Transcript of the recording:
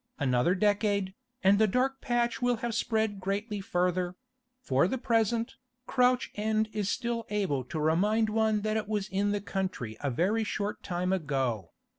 Another decade, and the dark patch will have spread greatly further; for the present, Crouch End is still able to remind one that it was in the country a very short time ago.